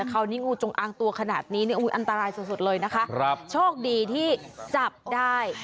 คราวนี้งูจงอางตัวขนาดนี้เนี่ยอันตรายสุดเลยนะคะโชคดีที่จับได้